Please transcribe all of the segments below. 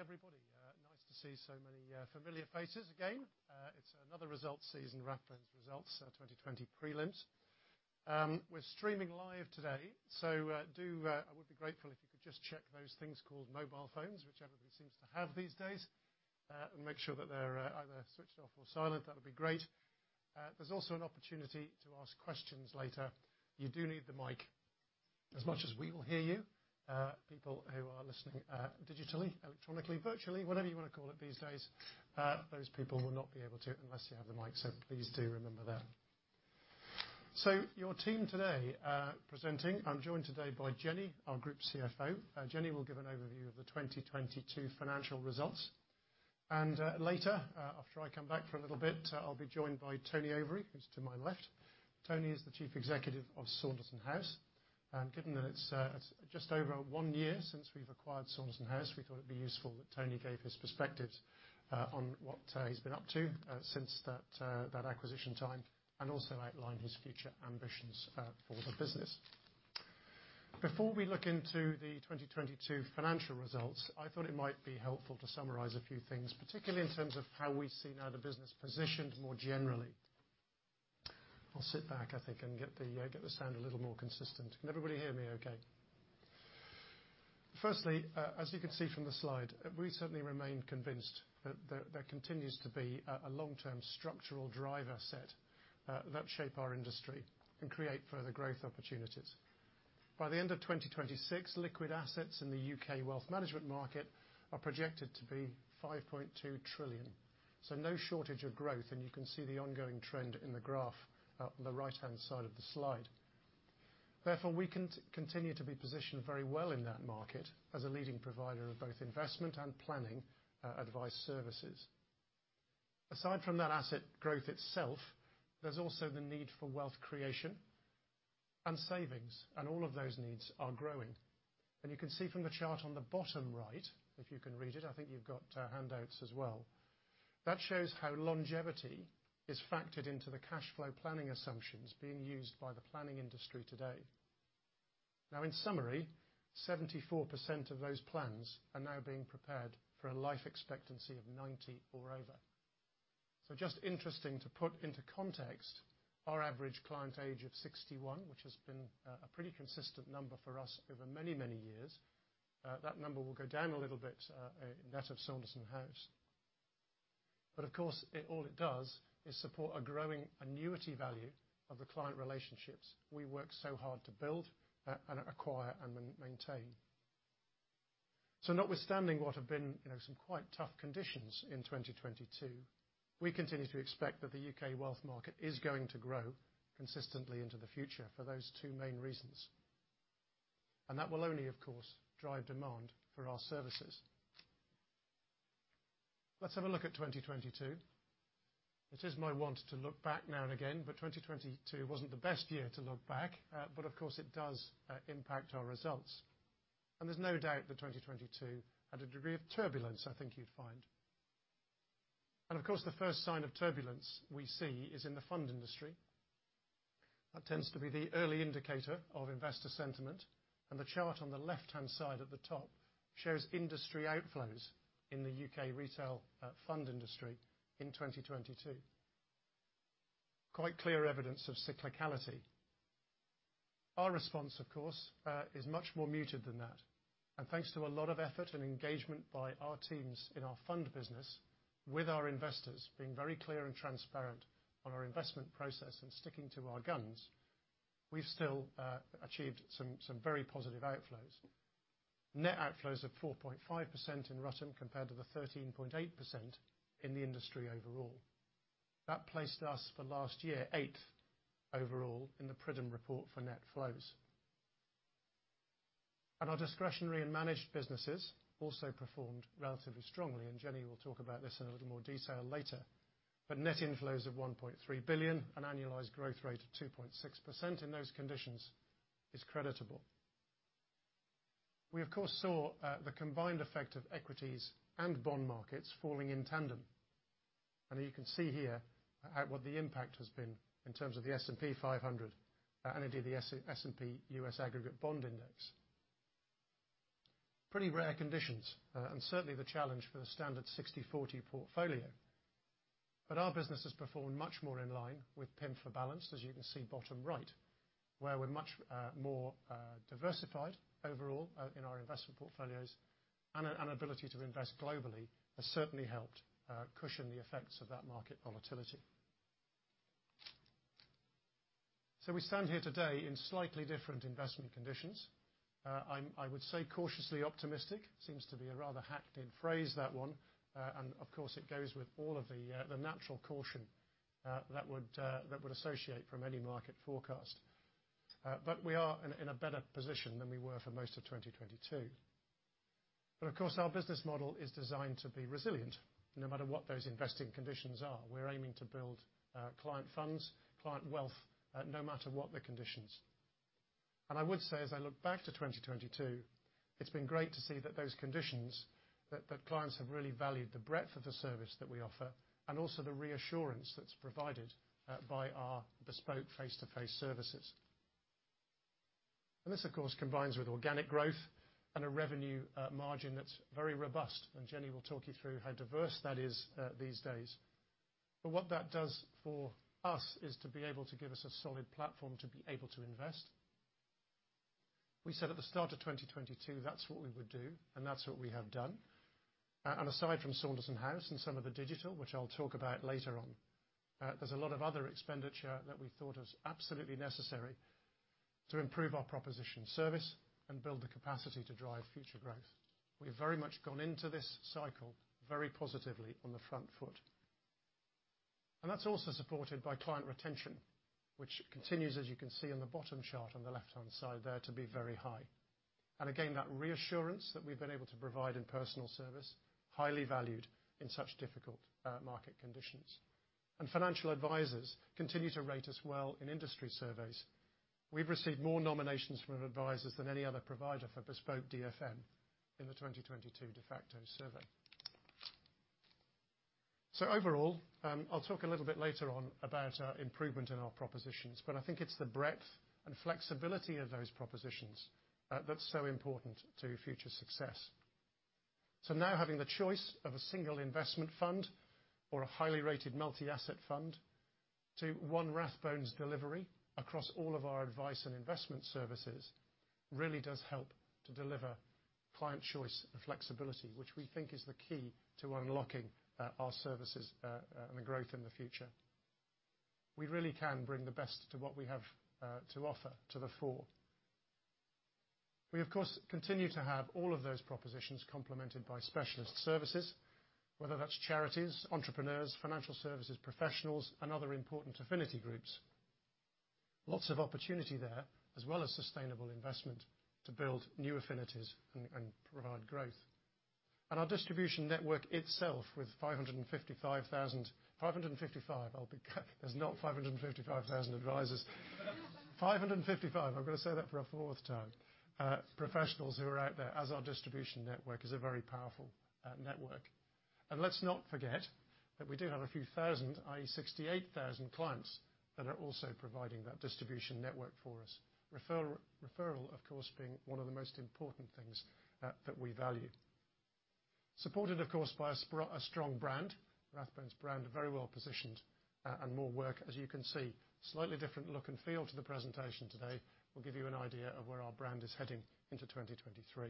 Good morning, everybody. Nice to see so many familiar faces again. It's another results season, Rathbones' results, 2020 prelims. We're streaming live today, so do I would be grateful if you could just check those things called mobile phones, which everybody seems to have these days, and make sure that they're either switched off or silent. That would be great. There's also an opportunity to ask questions later. You do need the mic. As much as we will hear you, people who are listening, digitally, electronically, virtually, whatever you wanna call it these days, those people will not be able to unless you have the mic, so please do remember that. Your team today, presenting, I'm joined today by Jenny, our Group CFO. Jenny will give an overview of the 2022 financial results. Later, after I come back for a little bit, I'll be joined by Tony Overy, who's to my left. Tony is the Chief Executive of Saunderson House. Given that it's just over one year since we've acquired Saunderson House, we thought it'd be useful that Tony gave his perspectives on what he's been up to since that acquisition time, and also outline his future ambitions for the business. Before we look into the 2022 financial results, I thought it might be helpful to summarize a few things, particularly in terms of how we see now the business positioned more generally. I'll sit back, I think, and get the sound a little more consistent. Can everybody hear me okay? Firstly, as you can see from the slide, we certainly remain convinced that there continues to be a long-term structural driver set that shape our industry and create further growth opportunities. By the end of 2026, liquid assets in the U.K. wealth management market are projected to be 5.2 trillion. No shortage of growth, and you can see the ongoing trend in the graph out on the right-hand side of the slide. Therefore, we continue to be positioned very well in that market as a leading provider of both investment and planning advice services. Aside from that asset growth itself, there's also the need for wealth creation and savings, and all of those needs are growing. You can see from the chart on the bottom right, if you can read it, I think you've got handouts as well. That shows how longevity is factored into the cashflow planning assumptions being used by the planning industry today. In summary, 74% of those plans are now being prepared for a life expectancy of 90 or over. Just interesting to put into context our average client age of 61, which has been a pretty consistent number for us over many, many years. That number will go down a little bit net of Saunderson House. Of course, it, all it does is support a growing annuity value of the client relationships we work so hard to build and acquire and then maintain. Notwithstanding what have been, you know, some quite tough conditions in 2022, we continue to expect that the U.K. wealth market is going to grow consistently into the future for those two main reasons. That will only, of course, drive demand for our services. Let's have a look at 2022. It is my want to look back now and again, but 2022 wasn't the best year to look back. Of course, it does impact our results. There's no doubt that 2022 had a degree of turbulence, I think you'd find. Of course, the first sign of turbulence we see is in the fund industry. That tends to be the early indicator of investor sentiment. The chart on the left-hand side at the top shows industry outflows in the U.K. retail fund industry in 2022. Quite clear evidence of cyclicality. Our response, of course, is much more muted than that. Thanks to a lot of effort and engagement by our teams in our fund business, with our investors being very clear and transparent on our investment process and sticking to our guns, we've still achieved some very positive outflows. Net outflows of 4.5% in Rathbones compared to the 13.8% in the industry overall. That placed us for last year eighth overall in The Pridham Report for net flows. Our discretionary and managed businesses also performed relatively strongly, and Jenny will talk about this in a little more detail later. Net inflows of 1.3 billion, an annualized growth rate of 2.6% in those conditions is creditable. We, of course, saw the combined effect of equities and bond markets falling in tandem. You can see here at what the impact has been in terms of the S&P 500 and indeed the S&P U.S. Aggregate Bond Index. Pretty rare conditions and certainly the challenge for the standard 60/40 portfolio. Our business has performed much more in line with PIMFA Balance, as you can see bottom right, where we're much more diversified overall in our investment portfolios. Our ability to invest globally has certainly helped cushion the effects of that market volatility. We stand here today in slightly different investment conditions. I'm, I would say cautiously optimistic. Seems to be a rather hacked in phrase, that one. Of course it goes with all of the natural caution that would associate from any market forecast. We are in a better position than we were for most of 2022. Of course, our business model is designed to be resilient no matter what those investing conditions are. We're aiming to build client funds, client wealth no matter what the conditions. I would say, as I look back to 2022, it's been great to see that those conditions, that clients have really valued the breadth of the service that we offer and also the reassurance that's provided by our bespoke face-to-face services. This, of course, combines with organic growth and a revenue margin that's very robust, and Jenny will talk you through how diverse that is these days. What that does for us is to be able to give us a solid platform to be able to invest. We said at the start of 2022 that's what we would do, and that's what we have done. Aside from Saunderson House and some of the digital, which I'll talk about later on, there's a lot of other expenditure that we thought was absolutely necessary to improve our proposition service and build the capacity to drive future growth. We've very much gone into this cycle very positively on the front foot. That's also supported by client retention, which continues, as you can see in the bottom chart on the left-hand side there, to be very high. Again, that reassurance that we've been able to provide in personal service, highly valued in such difficult market conditions. Financial advisors continue to rate us well in industry surveys. We've received more nominations from advisors than any other provider for bespoke DFM in the 2022 Defaqto survey. Overall, I'll talk a little bit later on about our improvement in our propositions, but I think it's the breadth and flexibility of those propositions that's so important to future success. Now having the choice of a single investment fund or a highly rated multi-asset fund to one Rathbones delivery across all of our advice and investment services really does help to deliver client choice and flexibility, which we think is the key to unlocking our services and the growth in the future. We really can bring the best to what we have to offer to the fore. We, of course, continue to have all of those propositions complemented by specialist services, whether that's charities, entrepreneurs, financial services professionals, and other important affinity groups. Lots of opportunity there, as well as sustainable investment to build new affinities and provide growth. Our distribution network itself, with 555,000. There's not 555,000 advisors. 555, I'm gonna say that for a fourth time, professionals who are out there as our distribution network is a very powerful network. Let's not forget that we do have a few thousand, i.e., 68,000 clients, that are also providing that distribution network for us. Referral, of course, being one of the most important things, that we value. Supported, of course, by a strong brand. Rathbone brand are very well positioned, and more work, as you can see. Slightly different look and feel to the presentation today, will give you an idea of where our brand is heading into 2023.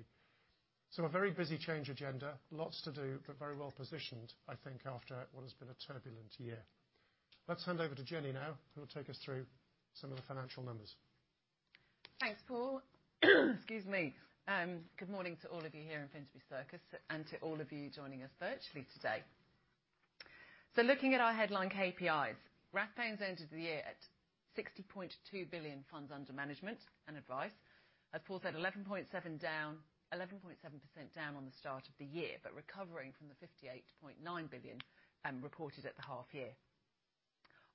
A very busy change agenda. Lots to do, but very well positioned, I think, after what has been a turbulent year. Let's hand over to Jenny now, who will take us through some of the financial numbers. Thanks, Paul. Excuse me. Good morning to all of you here in Finsbury Circus and to all of you joining us virtually today. Looking at our headline KPIs, Rathbones ended the year at 60.2 billion funds under management and advice. As Paul said, 11.7% down, 11.7% down on the start of the year, but recovering from the 58.9 billion reported at the half year.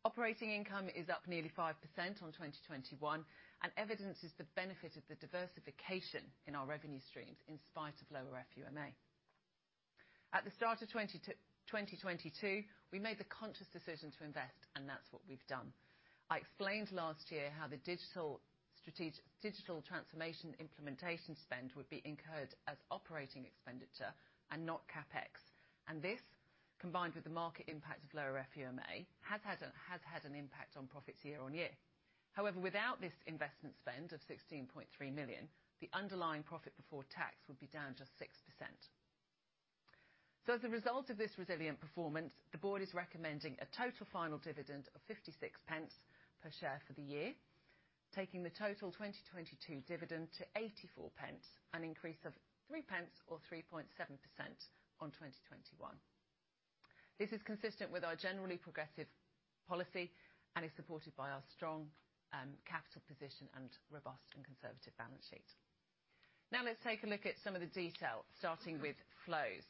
Operating income is up nearly 5% on 2021 and evidences the benefit of the diversification in our revenue streams in spite of lower FUMA. At the start of 2022, we made the conscious decision to invest, and that's what we've done. I explained last year how the digital transformation implementation spend would be incurred as operating expenditure and not CapEx. this, combined with the market impact of lower FUMA, has had an impact on profits year-over-year. However, without this investment spend of 16.3 million, the underlying profit before tax would be down just 6%. as a result of this resilient performance, the board is recommending a total final dividend of 0.56 per share for the year. Taking the total 2022 dividend to 0.84, an increase of 0.03 or 3.7% on 2021. This is consistent with our generally progressive policy and is supported by our strong capital position and robust and conservative balance sheet. Now let's take a look at some of the detail, starting with flows.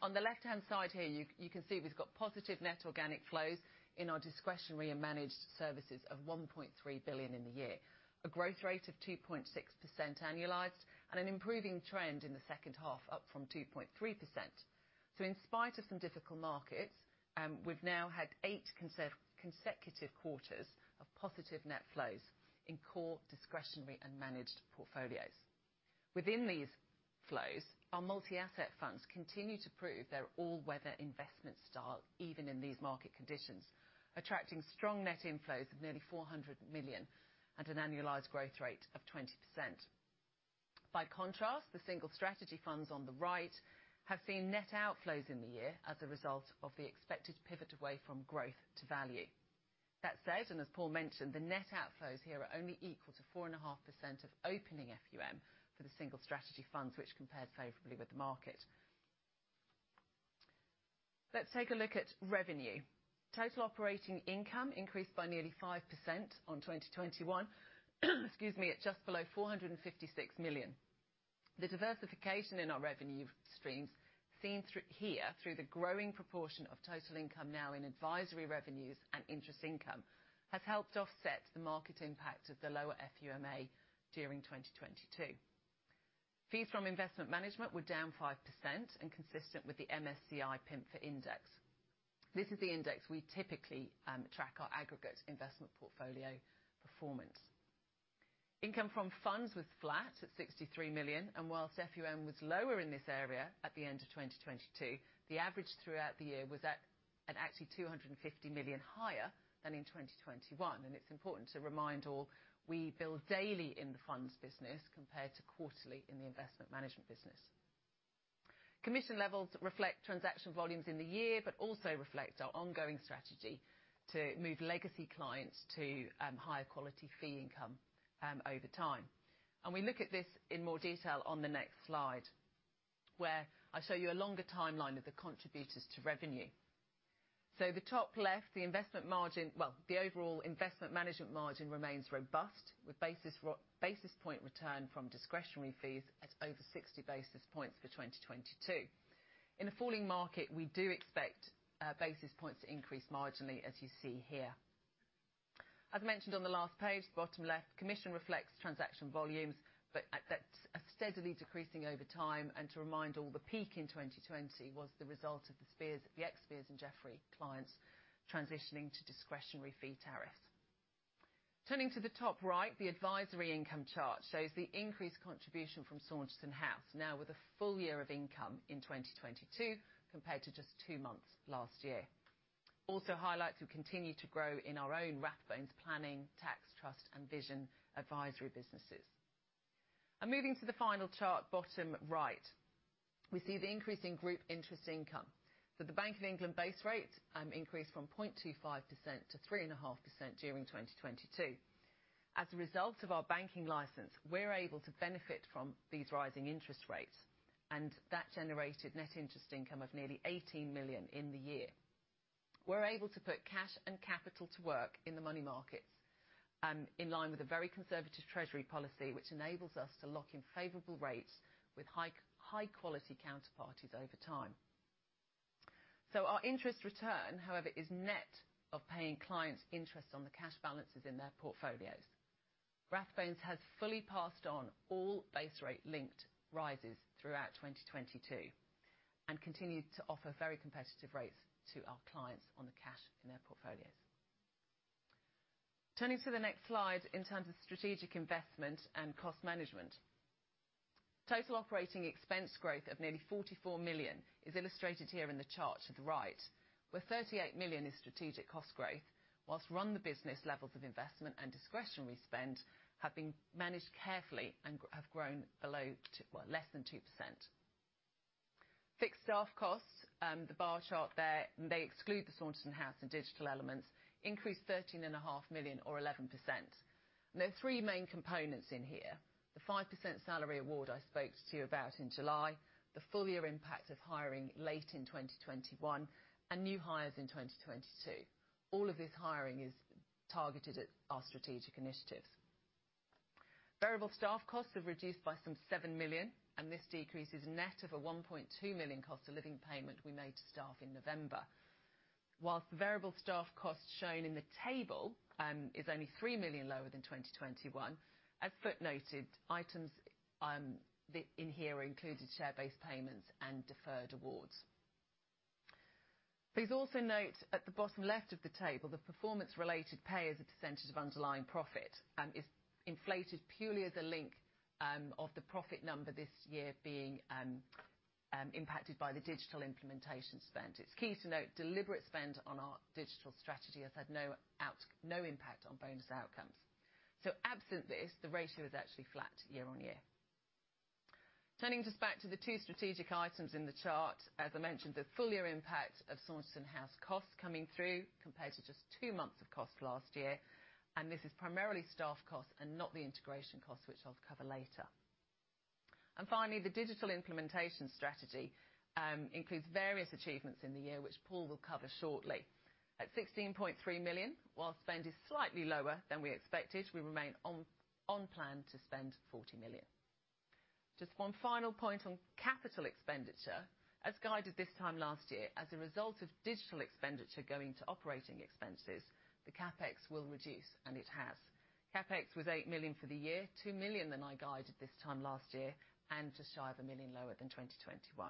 On the left-hand side here, you can see we've got positive net organic flows in our discretionary and managed services of 1.3 billion in the year. A growth rate of 2.6% annualized and an improving trend in the second half, up from 2.3%. In spite of some difficult markets, we've now had eight consecutive quarters of positive net flows in core discretionary and managed portfolios. Within these flows, our multi-asset funds continue to prove their all-weather investment style even in these market conditions, attracting strong net inflows of nearly 400 million and an annualized growth rate of 20%. By contrast, the single strategy funds on the right have seen net outflows in the year as a result of the expected pivot away from growth to value. That said, as Paul mentioned, the net outflows here are only equal to 4.5% of opening FUM for the single strategy funds, which compared favorably with the market. Let's take a look at revenue. Total operating income increased by nearly 5% on 2021, excuse me, at just below 456 million. The diversification in our revenue streams, seen through here, through the growing proportion of total income now in advisory revenues and interest income, has helped offset the market impact of the lower FUMA during 2022. Fees from investment management were down 5%, consistent with the MSCI PIMFA index. This is the index we typically track our aggregate investment portfolio performance. Income from funds was flat at 63 million. Whilst FUM was lower in this area at the end of 2022, the average throughout the year was actually 250 million higher than in 2021. It's important to remind all, we bill daily in the funds business compared to quarterly in the investment management business. Commission levels reflect transaction volumes in the year, but also reflect our ongoing strategy to move legacy clients to higher quality fee income over time. We look at this in more detail on the next slide, where I show you a longer timeline of the contributors to revenue. The top left, the investment margin. The overall investment management margin remains robust with basis point return from discretionary fees at over 60 basis points for 2022. In a falling market, we do expect basis points to increase marginally, as you see here. As mentioned on the last page, bottom left, commission reflects transaction volumes, but at that's are steadily decreasing over time. To remind all, the peak in 2020 was the result of the Speirs, the ex-Speirs & Jeffrey clients transitioning to discretionary fee tariffs. Turning to the top right, the advisory income chart shows the increased contribution from Saunderson House, now with a full year of income in 2022, compared to just two months last year. Also highlights we continue to grow in our own Rathbones planning, tax, trust, and vision advisory businesses. Moving to the final chart, bottom right, we see the increase in group interest income. The Bank of England base rate increased from 0.25% to 3.5% during 2022. As a result of our banking license, we're able to benefit from these rising interest rates, and that generated net interest income of nearly 18 million in the year. We're able to put cash and capital to work in the money markets, in line with a very conservative treasury policy, which enables us to lock in favorable rates with high quality counterparties over time. Our interest return, however, is net of paying clients interest on the cash balances in their portfolios. Rathbones has fully passed on all base rate linked rises throughout 2022, and continued to offer very competitive rates to our clients on the cash in their portfolios. Turning to the next slide, in terms of strategic investment and cost management. Total operating expense growth of nearly 44 million is illustrated here in the chart to the right, where 38 million is strategic cost growth, whilst run the business levels of investment and discretionary spend have been managed carefully and have grown less than 2%. Fixed staff costs, the bar chart there, they exclude the Saunderson House and digital elements, increased 13.5 million or 11%. There are three main components in here. The 5% salary award I spoke to you about in July, the full year impact of hiring late in 2021, and new hires in 2022. All of this hiring is targeted at our strategic initiatives. Variable staff costs have reduced by some 7 million, and this decrease is net of a 1.2 million cost of living payment we made to staff in November. Whilst variable staff costs shown in the table is only 3 million lower than 2021, as footnoted, items included share-based payments and deferred awards. Please also note at the bottom left of the table, the performance related pay as a % of underlying profit is inflated purely as a link of the profit number this year being impacted by the digital implementation spend. It's key to note, deliberate spend on our digital strategy has had no impact on bonus outcomes. Absent this, the ratio is actually flat year-on-year. Turning just back to the two strategic items in the chart. As I mentioned, the full year impact of Saunderson House costs coming through compared to just two months of cost last year. This is primarily staff costs and not the integration costs, which I'll cover later. Finally, the digital implementation strategy includes various achievements in the year, which Paul will cover shortly. At 16.3 million, while spend is slightly lower than we expected, we remain on plan to spend 40 million. Just one final point on capital expenditure. As guided this time last year, as a result of digital expenditure going to operating expenses, the CapEx will reduce, and it has. CapEx was 8 million for the year, 2 million than I guided this time last year, and just shy of 1 million lower than 2021.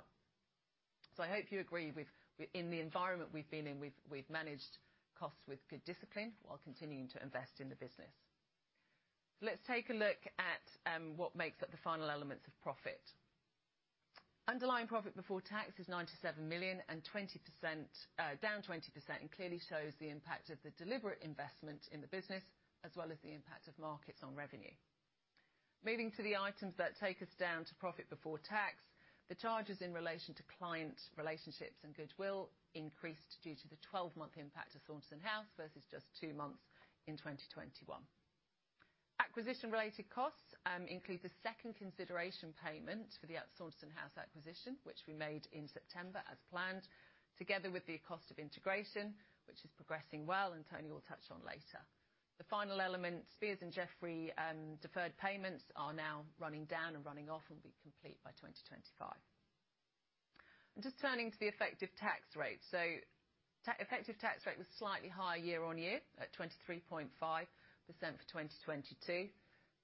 I hope you agree with, in the environment we've been in, we've managed costs with good discipline while continuing to invest in the business. Let's take a look at what makes up the final elements of profit. Underlying profit before tax is 97 million and 20%, down 20%, and clearly shows the impact of the deliberate investment in the business, as well as the impact of markets on revenue. Moving to the items that take us down to profit before tax. The charges in relation to client relationships and goodwill increased due to the 12-month impact of Saunderson House versus just two months in 2021. Acquisition related costs include the second consideration payment for the Saunderson House acquisition, which we made in September as planned, together with the cost of integration, which is progressing well and Tony will touch on later. The final element, Speirs & Jeffrey, deferred payments are now running down and running off and will be complete by 2025. Just turning to the effective tax rate. Effective tax rate was slightly higher year-on-year, at 23.5% for 2022.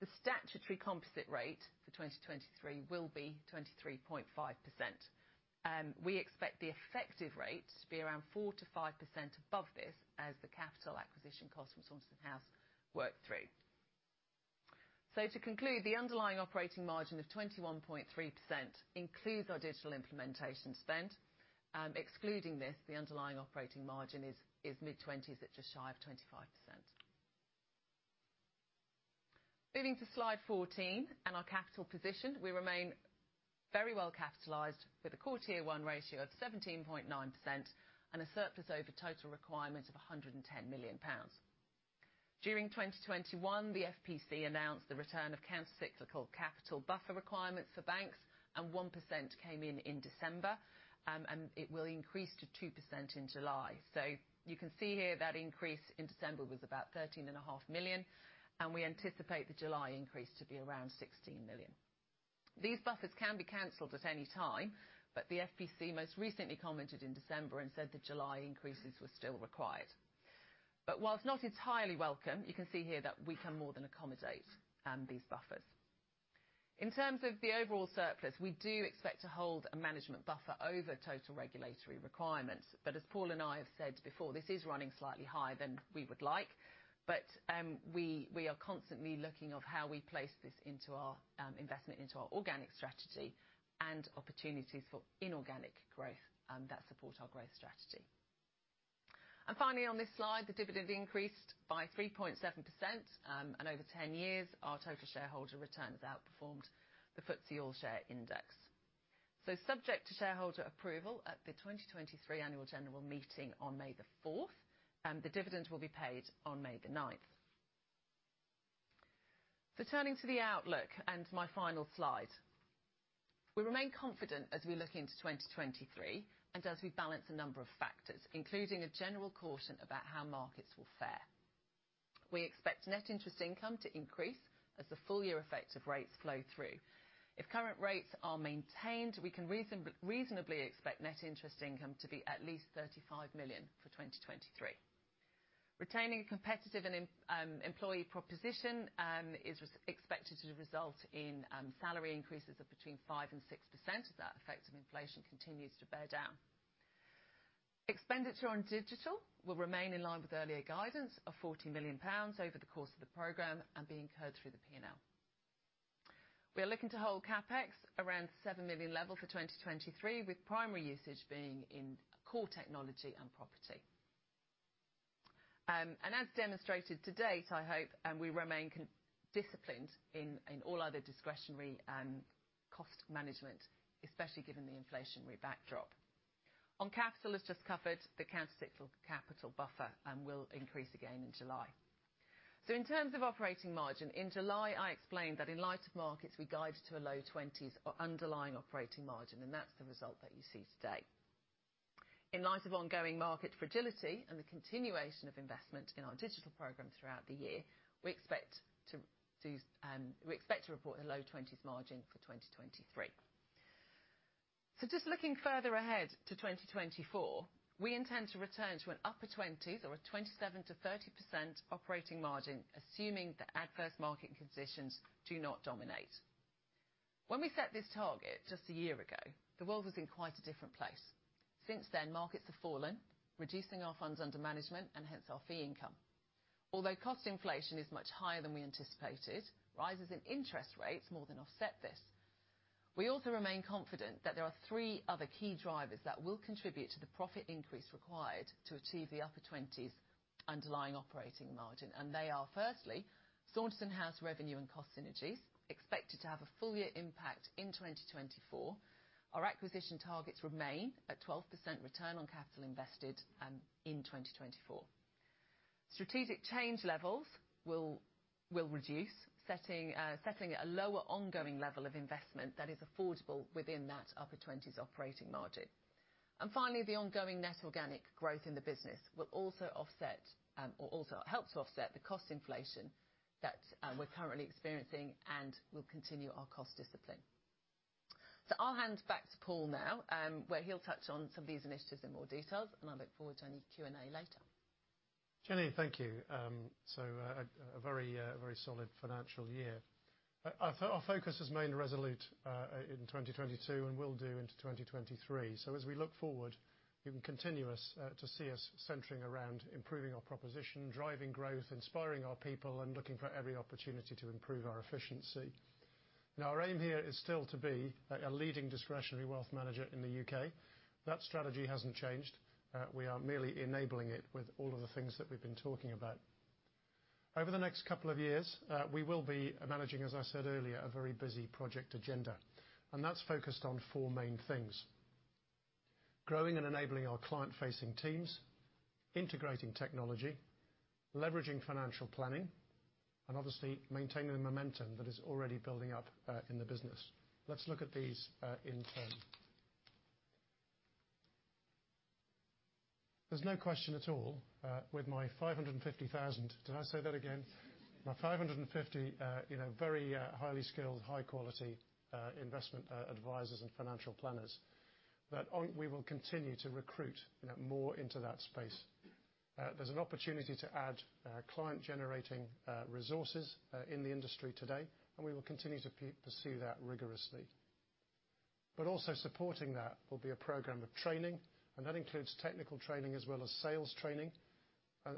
The statutory composite rate for 2023 will be 23.5%. We expect the effective rate to be around 4%-5% above this as the capital acquisition cost from Saunderson House work through. To conclude, the underlying operating margin of 21.3% includes our digital implementation spend. Excluding this, the underlying operating margin is mid-20s at just shy of 25%. Moving to slide 14 and our capital position. We remain very well capitalized with a core Tier 1 ratio of 17.9% and a surplus over total requirement of 110 million pounds. During 2021, the FPC announced the return of countercyclical capital buffer requirements for banks, 1% came in in December. It will increase to 2% in July. You can see here that increase in December was about 13.5 million, and we anticipate the July increase to be around 16 million. These buffers can be canceled at any time, the FPC most recently commented in December and said the July increases were still required. Whilst not entirely welcome, you can see here that we can more than accommodate these buffers. In terms of the overall surplus, we do expect to hold a management buffer over total regulatory requirements. As Paul and I have said before, this is running slightly higher than we would like. We are constantly looking of how we place this into our investment into our organic strategy and opportunities for inorganic growth that support our growth strategy. Finally, on this slide, the dividend increased by 3.7%. Over 10 years, our total shareholder return has outperformed the FTSE All Share Index. Subject to shareholder approval at the 2023 annual general meeting on May the 4th, the dividend will be paid on May the 9th. Turning to the outlook and my final slide. We remain confident as we look into 2023 and as we balance a number of factors, including a general caution about how markets will fare. We expect net interest income to increase as the full year effect of rates flow through. If current rates are maintained, we can reasonably expect net interest income to be at least 35 million for 2023. Retaining a competitive and employee proposition is expected to result in salary increases of between 5% and 6% as that effect of inflation continues to bear down. Expenditure on digital will remain in line with earlier guidance of 40 million pounds over the course of the program and being incurred through the P&L. We are looking to hold CapEx around 7 million level for 2023, with primary usage being in core technology and property. As demonstrated to date, I hope, we remain disciplined in all other discretionary cost management, especially given the inflationary backdrop. On capital as just covered the countercyclical capital buffer will increase again in July. In terms of operating margin, in July, I explained that in light of markets, we guided to a low 20s our underlying operating margin, and that's the result that you see today. In light of ongoing market fragility and the continuation of investment in our digital program throughout the year, we expect to report a low 20s margin for 2023. Just looking further ahead to 2024, we intend to return to an upper 20s or a 27%-30% operating margin, assuming the adverse market conditions do not dominate. When we set this target just a year ago, the world was in quite a different place. Since then, markets have fallen, reducing our funds under management and hence our fee income. Although cost inflation is much higher than we anticipated, rises in interest rates more than offset this. We also remain confident that there are three other key drivers that will contribute to the profit increase required to achieve the upper 20s underlying operating margin, and they are, firstly, Saunderson House revenue and cost synergies, expected to have a full year impact in 2024. Our acquisition targets remain at 12% return on capital invested in 2024. Strategic change levels will reduce, setting a lower ongoing level of investment that is affordable within that upper 20s operating margin. Finally, the ongoing net organic growth in the business will also help to offset the cost inflation that we're currently experiencing and will continue our cost discipline. I'll hand back to Paul now, where he'll touch on some of these initiatives in more details, and I look forward to any Q&A later. Jenny, thank you. A very solid financial year. Our focus has remained resolute in 2022 and will do into 2023. As we look forward, you can continue us to see us centering around improving our proposition, driving growth, inspiring our people, and looking for every opportunity to improve our efficiency. Now, our aim here is still to be a leading discretionary wealth manager in the U.K. That strategy hasn't changed. We are merely enabling it with all of the things that we've been talking about. Over the next couple of years, we will be managing, as I said earlier, a very busy project agenda, and that's focused on four main things. Growing and enabling our client-facing teams, integrating technology, leveraging financial planning, and obviously maintaining the momentum that is already building up in the business. Let's look at these in turn. There's no question at all with my 550,000. Did I say that again? My 550, you know, very highly skilled, high-quality investment advisors and financial planners, that we will continue to recruit, you know, more into that space. There's an opportunity to add client-generating resources in the industry today, and we will continue to pursue that rigorously. Also supporting that will be a program of training, and that includes technical training as well as sales training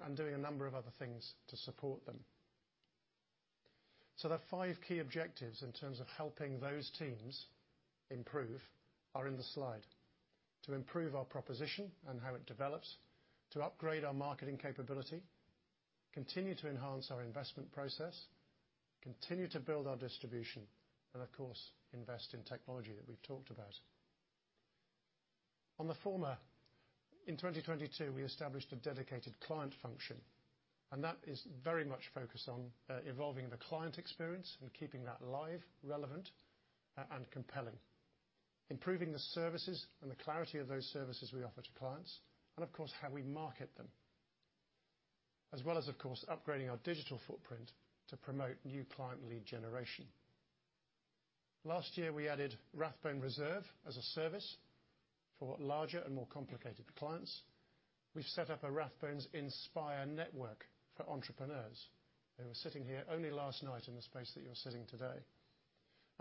and doing a number of other things to support them. The five key objectives in terms of helping those teams improve are in the slide. To improve our proposition and how it develops, to upgrade our marketing capability, continue to enhance our investment process, continue to build our distribution, and of course, invest in technology that we've talked about. On the former, in 2022, we established a dedicated client function, and that is very much focused on evolving the client experience and keeping that live, relevant and compelling. Improving the services and the clarity of those services we offer to clients and, of course, how we market them. As well as, of course, upgrading our digital footprint to promote new client lead generation. Last year, we added Rathbone Reserve as a service for larger and more complicated clients. We've set up a Rathbones Inspire network for entrepreneurs. They were sitting here only last night in the space that you're sitting today.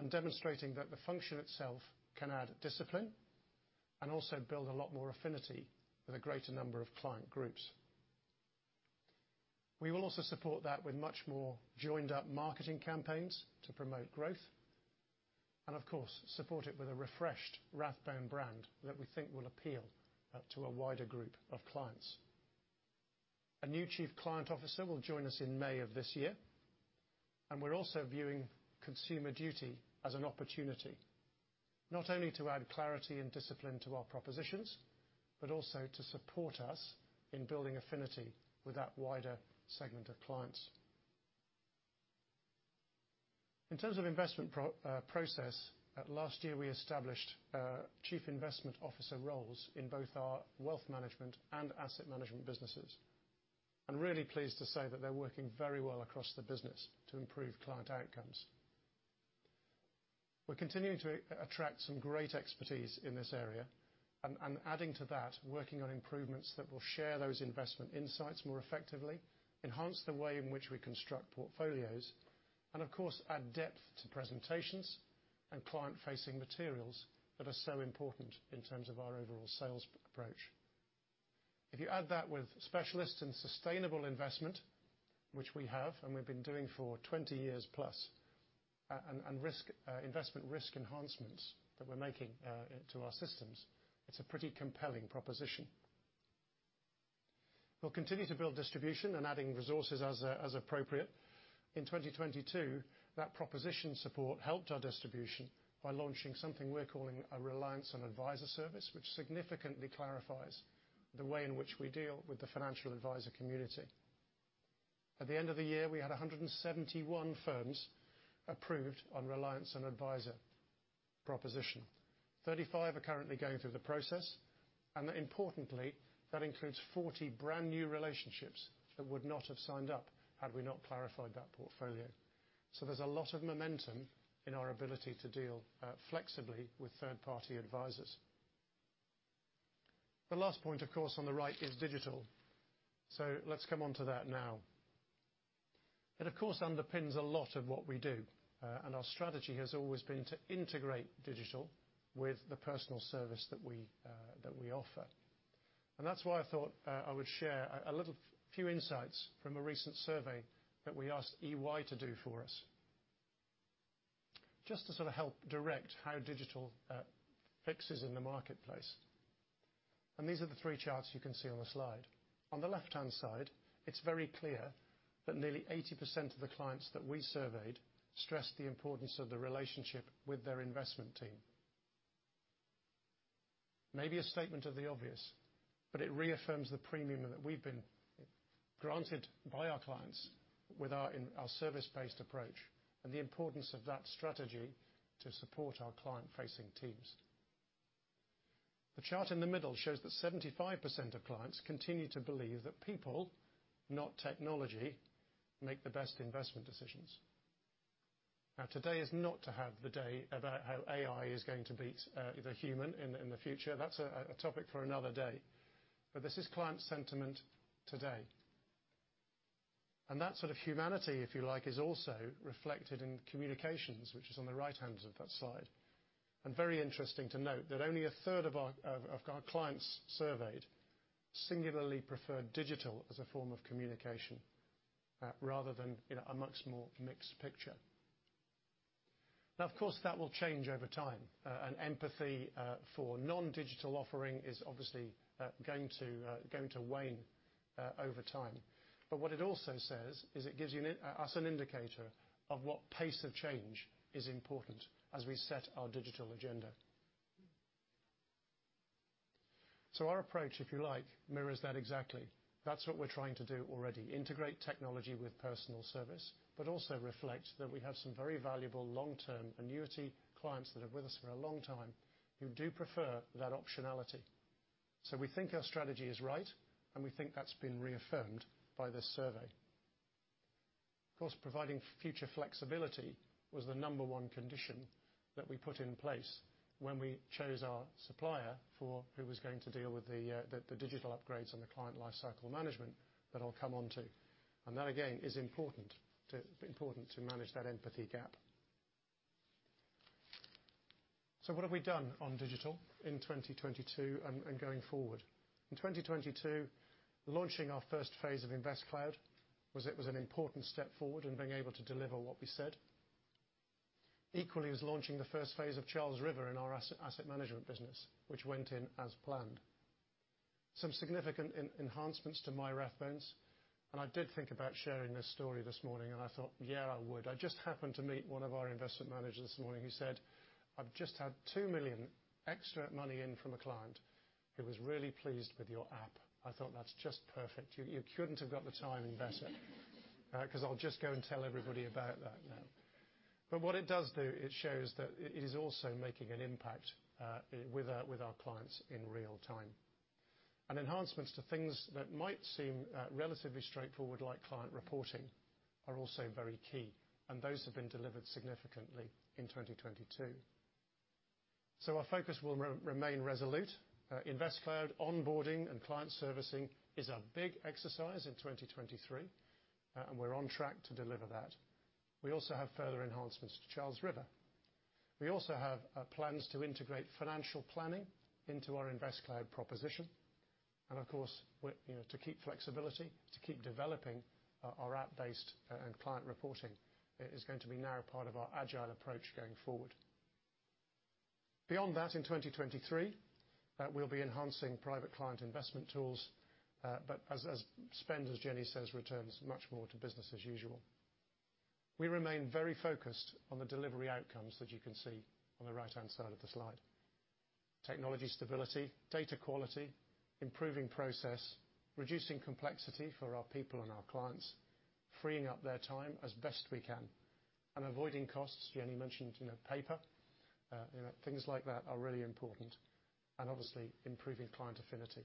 Demonstrating that the function itself can add discipline and also build a lot more affinity with a greater number of client groups. We will also support that with much more joined-up marketing campaigns to promote growth and, of course, support it with a refreshed Rathbone brand that we think will appeal to a wider group of clients. A new chief client officer will join us in May of this year, and we're also viewing Consumer Duty as an opportunity, not only to add clarity and discipline to our propositions, but also to support us in building affinity with that wider segment of clients. In terms of investment process, last year we established chief investment officer roles in both our wealth management and asset management businesses. I'm really pleased to say that they're working very well across the business to improve client outcomes. We're continuing to attract some great expertise in this area and adding to that, working on improvements that will share those investment insights more effectively, enhance the way in which we construct portfolios, and of course, add depth to presentations and client-facing materials that are so important in terms of our overall sales approach. If you add that with specialists in sustainable investment, which we have, and we've been doing for 20+ years, and risk investment risk enhancements that we're making to our systems, it's a pretty compelling proposition. We'll continue to build distribution and adding resources as appropriate. In 2022, that proposition support helped our distribution by launching something we're calling a Reliance on Adviser service, which significantly clarifies the way in which we deal with the financial adviser community. At the end of the year, we had 171 firms approved on Reliance on Adviser proposition. 35 are currently going through the process, importantly, that includes 40 brand-new relationships that would not have signed up had we not clarified that portfolio. There's a lot of momentum in our ability to deal flexibly with third-party advisers. The last point, of course, on the right is digital. Let's come on to that now. It, of course, underpins a lot of what we do, our strategy has always been to integrate digital with the personal service that we that we offer. That's why I thought I would share a little few insights from a recent survey that we asked EY to do for us just to sort of help direct how digital fixes in the marketplace. These are the three charts you can see on the slide. On the left-hand side, it's very clear that nearly 80% of the clients that we surveyed stressed the importance of the relationship with their investment team. Maybe a statement of the obvious, but it reaffirms the premium that we've been granted by our clients with our service-based approach and the importance of that strategy to support our client-facing teams. The chart in the middle shows that 75% of clients continue to believe that people, not technology, make the best investment decisions. Today is not to have the day about how AI is going to beat the human in the future. That's a topic for another day. This is client sentiment today. That sort of humanity, if you like, is also reflected in communications, which is on the right hand of that slide. Very interesting to note that only a third of our clients surveyed singularly preferred digital as a form of communication rather than, you know, a much more mixed picture. Now of course, that will change over time, and empathy for non-digital offering is obviously going to wane over time. What it also says is it gives you us an indicator of what pace of change is important as we set our digital agenda. Our approach, if you like, mirrors that exactly. That's what we're trying to do already, integrate technology with personal service, but also reflect that we have some very valuable long-term annuity clients that are with us for a long time who do prefer that optionality. We think our strategy is right, and we think that's been reaffirmed by this survey. Of course, providing future flexibility was the number one condition that we put in place when we chose our supplier for who was going to deal with the digital upgrades on the client lifecycle management that I'll come onto. That, again, is important to manage that empathy gap. What have we done on digital in 2022 and going forward? In 2022, launching our first phase of InvestCloud was an important step forward in being able to deliver what we said. Equally as launching the first phase of Charles River in our as-asset management business, which went in as planned. Some significant enhancements to MyRathbones, and I did think about sharing this story this morning, and I thought, yeah, I would. I just happened to meet one of our investment managers this morning who said, "I've just had 2 million extra money in from a client who was really pleased with your app." I thought that's just perfect. You, you couldn't have got the timing better. 'Cause I'll just go and tell everybody about that now. What it does do, it shows that it is also making an impact with our clients in real time. Enhancements to things that might seem relatively straightforward, like client reporting, are also very key, and those have been delivered significantly in 2022. Our focus will remain resolute. InvestCloud, onboarding, and client servicing is a big exercise in 2023, and we're on track to deliver that. We also have further enhancements to Charles River. We also have plans to integrate financial planning into our InvestCloud proposition. Of course, we're, you know, to keep flexibility, to keep developing our app-based, and client reporting is going to be now a part of our agile approach going forward. Beyond that, in 2023, we'll be enhancing private client investment tools, but as spend, as Jenny says, returns much more to business as usual. We remain very focused on the delivery outcomes that you can see on the right-hand side of the slide. Technology stability, data quality, improving process, reducing complexity for our people and our clients, freeing up their time as best we can, and avoiding costs. Jenny mentioned, you know, paper. You know, things like that are really important, and obviously improving client affinity.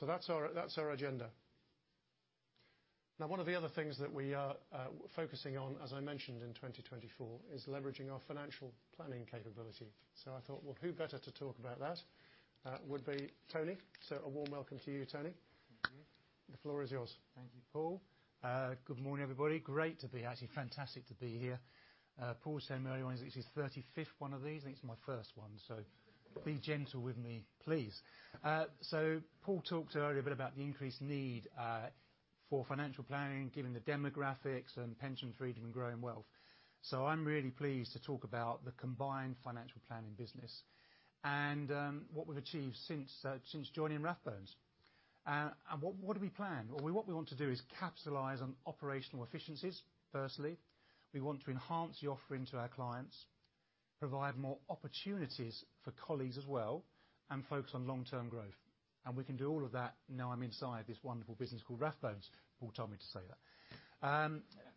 That's our, that's our agenda. One of the other things that we are focusing on, as I mentioned in 2024, is leveraging our financial planning capability. I thought, well, who better to talk about that would be Tony. A warm welcome to you, Tony. Thank you. The floor is yours. Thank you, Paul. Good morning, everybody. Great to be, actually fantastic to be here. Paul was telling me earlier on it's his 35th one of these, and it's my first one, so be gentle with me, please. Paul talked earlier a bit about the increased need for financial planning given the demographics and pension freedom and growing wealth. I'm really pleased to talk about the combined financial planning business and what we've achieved since joining Rathbones. What do we plan? What we want to do is capitalize on operational efficiencies, firstly. We want to enhance the offering to our clients, provide more opportunities for colleagues as well, and focus on long-term growth. We can do all of that now I'm inside this wonderful business called Rathbones. Paul told me to say that.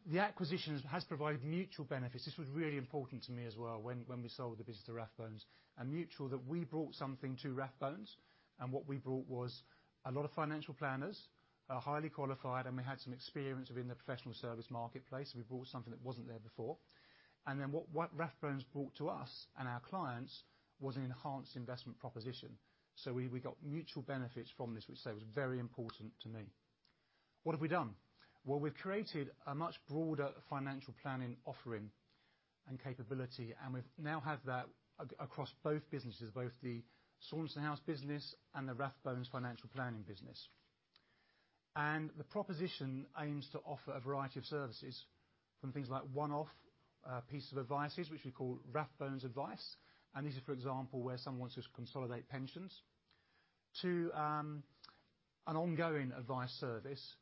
The acquisition has provided mutual benefits. This was really important to me as well when we sold the business to Rathbones. Mutual that we brought something to Rathbones, and what we brought was a lot of financial planners, highly qualified, and we had some experience within the professional service marketplace, and we brought something that wasn't there before. What Rathbones brought to us and our clients was an enhanced investment proposition. We got mutual benefits from this, which I say was very important to me. What have we done? We've created a much broader financial planning offering and capability, and we've now have that across both businesses, both the Saunderson House business and the Rathbones Financial Planning business. The proposition aims to offer a variety of services from things like one-off pieces of advice, which we call Rathbones Advice. This is, for example, where someone wants to consolidate pensions to an ongoing advice service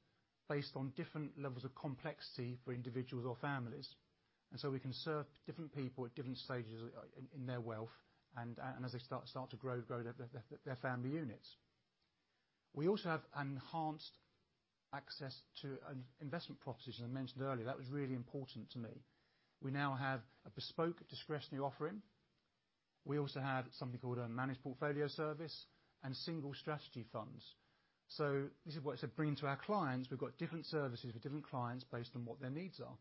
based on different levels of complexity for individuals or families. We can serve different people at different stages in their wealth and as they start to grow their family units. We also have enhanced access to an investment proposition. I mentioned earlier, that was really important to me. We now have a bespoke discretionary offering. We also have something called a Managed Portfolio Service and single strategy funds. This is what I said, bringing to our clients. We've got different services for different clients based on what their needs are.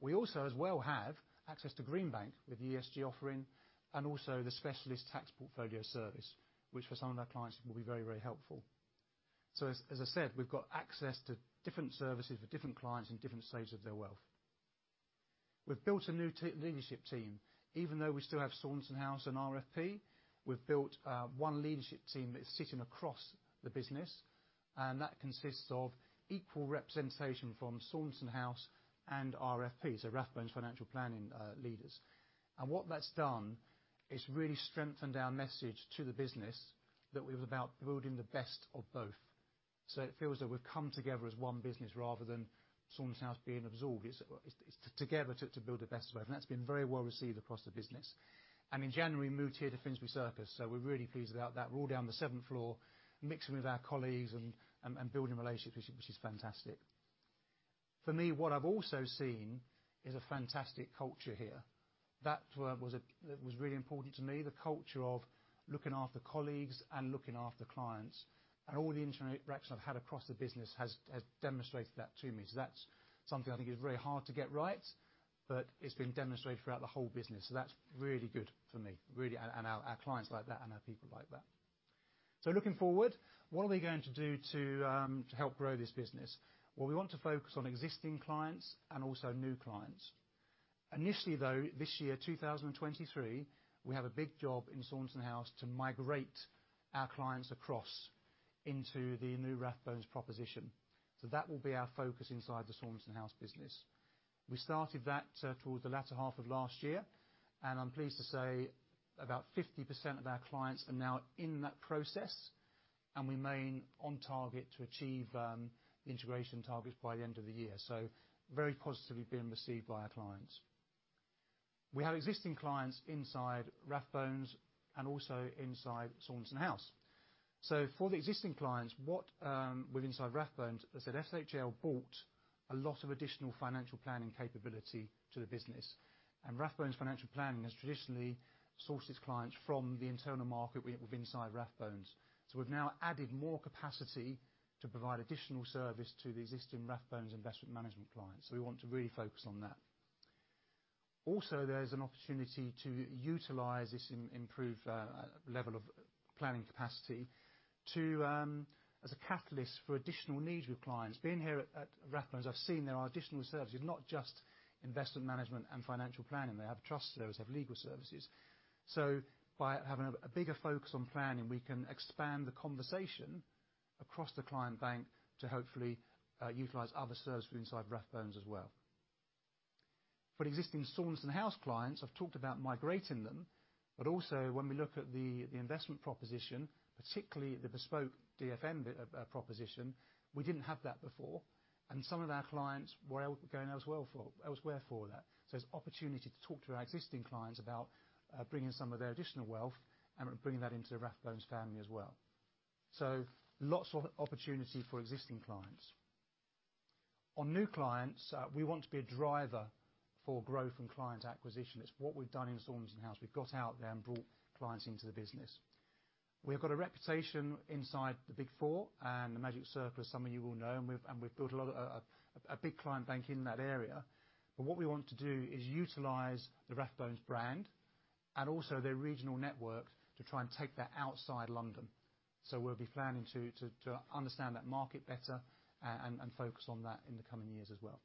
We also, as well, have access to Greenbank with ESG offering and also the specialist tax portfolio service, which for some of our clients will be very, very helpful. As I said, we've got access to different services for different clients in different stages of their wealth. We've built a new leadership team. Even though we still have Saunderson House and RFP, we've built one leadership team that's sitting across the business, and that consists of equal representation from Saunderson House and RFP, so Rathbones Financial Planning leaders. What that's done is really strengthened our message to the business that it was about building the best of both. It feels that we've come together as one business rather than Saunderson House being absorbed. It's together to build the best way. That's been very well received across the business. In January, we moved here to Finsbury Circus. We're really pleased about that. We're all down the seventh floor, mixing with our colleagues and building relationships, which is fantastic. For me, what I've also seen is a fantastic culture here. That was really important to me, the culture of looking after colleagues and looking after clients. All the interactions I've had across the business has demonstrated that to me. That's something I think is very hard to get right, but it's been demonstrated throughout the whole business. That's really good for me, really. Our clients like that, and our people like that. Looking forward, what are we going to do to help grow this business? Well, we want to focus on existing clients and also new clients. Initially, though, this year, 2023, we have a big job in Saunderson House to migrate our clients across into the new Rathbones proposition. That will be our focus inside the Saunderson House business. We started that towards the latter half of last year, and I'm pleased to say about 50% of our clients are now in that process, and we remain on target to achieve the integration targets by the end of the year. Very positively being received by our clients. We have existing clients inside Rathbones and also inside Saunderson House. For the existing clients, what with inside Rathbones, as I said, SHL brought a lot of additional financial planning capability to the business. Rathbones Financial Planning has traditionally sourced its clients from the internal market with inside Rathbones. We've now added more capacity to provide additional service to the existing Rathbones investment management clients. We want to really focus on that. Also, there's an opportunity to utilize this improved level of planning capacity to as a catalyst for additional needs with clients. Being here at Rathbones, I've seen there are additional services, not just investment management and financial planning. They have trust services, have legal services. By having a bigger focus on planning, we can expand the conversation across the client bank to hopefully utilize other services inside Rathbones as well. For existing Saunderson House clients, I've talked about migrating them, but also when we look at the investment proposition, particularly the bespoke DFM proposition, we didn't have that before. Some of our clients were going elsewhere for that. There's opportunity to talk to our existing clients about bringing some of their additional wealth and bringing that into the Rathbones as well. Lots of opportunity for existing clients. On new clients, we want to be a driver for growth and client acquisition. It's what we've done in Saunderson House. We've got out there and brought clients into the business. We've got a reputation inside the Big 4 and the Magic Circle, as some of you will know, and we've built a big client bank in that area. What we want to do is utilize the Rathbones brand and also their regional network to try and take that outside London. We'll be planning to understand that market better and focus on that in the coming years as well.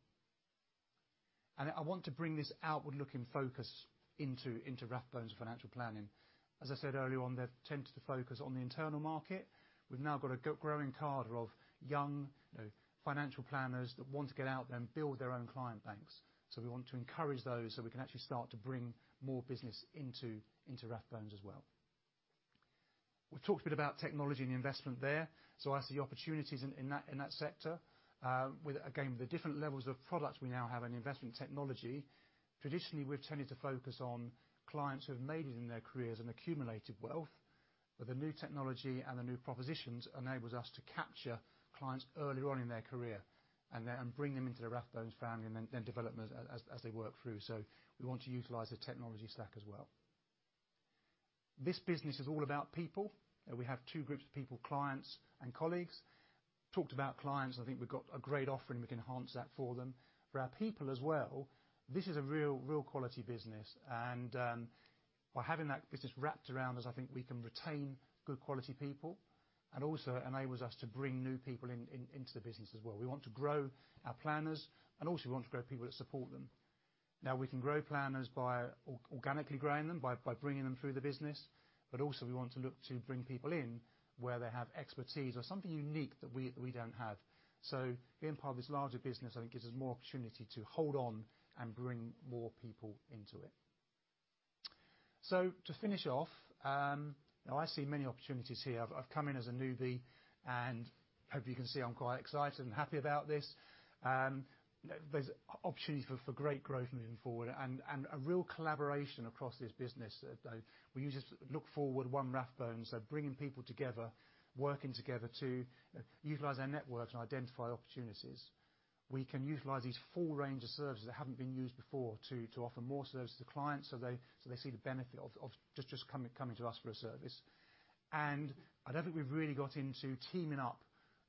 I want to bring this outward-looking focus into Rathbones Financial Planning. As I said earlier on, they've tended to focus on the internal market. We've now got a growing cadre of young, you know, financial planners that want to get out there and build their own client banks. We want to encourage those so we can actually start to bring more business into Rathbones as well. We've talked a bit about technology and investment there. I see opportunities in that sector. With, again, the different levels of products we now have in investment technology. Traditionally, we've tended to focus on clients who have made it in their careers and accumulated wealth. The new technology and the new propositions enables us to capture clients earlier on in their career and then bring them into the Rathbones family and then develop as they work through. We want to utilize the technology stack as well. This business is all about people. We have two groups of people, clients and colleagues. Talked about clients, I think we've got a great offering. We can enhance that for them. For our people as well, this is a real quality business. By having that business wrapped around us, I think we can retain good quality people and also enables us to bring new people into the business as well. We want to grow our planners, and also we want to grow people that support them. We can grow planners by organically growing them, by bringing them through the business. Also we want to look to bring people in where they have expertise or something unique that we don't have. Being part of this larger business, I think gives us more opportunity to hold on and bring more people into it. To finish off, now I see many opportunities here. I've come in as a newbie, and hope you can see I'm quite excited and happy about this. There's opportunities for great growth moving forward and a real collaboration across this business. We usually look forward one Rathbones, so bringing people together, working together to utilize our networks and identify opportunities. We can utilize these full range of services that haven't been used before to offer more services to clients so they see the benefit of just coming to us for a service. I don't think we've really got into teaming up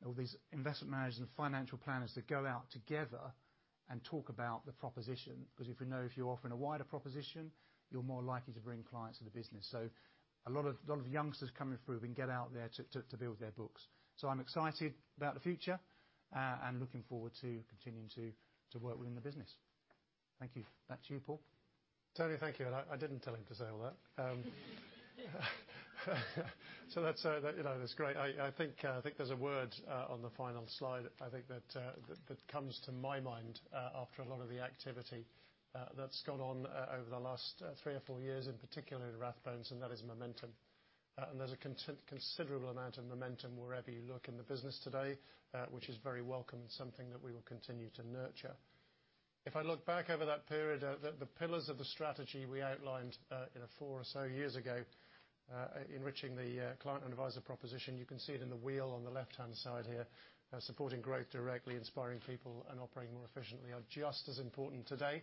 all these investment managers and financial planners that go out together and talk about the proposition. If you know if you're offering a wider proposition, you're more likely to bring clients to the business. A lot of youngsters coming through can get out there to build their books. I'm excited about the future, and looking forward to continuing to work within the business. Thank you. Back to you, Paul. Tony, thank you. I didn't tell him to say all that. That, you know, that's great. I think there's a word on the final slide, I think that comes to my mind after a lot of the activity that's gone on over the last three or four years, in particular at Rathbones, and that is momentum. There's a considerable amount of momentum wherever you look in the business today, which is very welcome and something that we will continue to nurture. If I look back over that period, the pillars of the strategy we outlined, you know, four or so years ago. Enriching the client and advisor proposition. You can see it in the wheel on the left-hand side here. Supporting growth directly, inspiring people, and operating more efficiently are just as important today.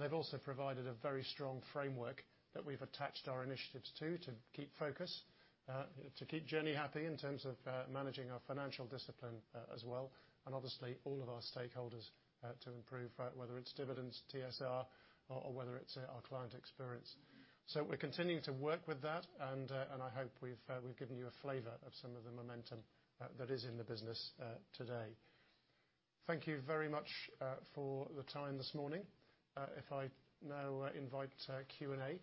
They've also provided a very strong framework that we've attached our initiatives to keep focus, to keep Jenny happy in terms of managing our financial discipline as well. Obviously, all of our stakeholders to improve, right, whether it's dividends, TSR, or whether it's our client experience. We're continuing to work with that, and I hope we've given you a flavor of some of the momentum that is in the business today. Thank you very much for the time this morning. If I now invite Q&A.